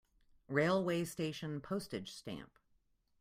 Railway station Postage stamp.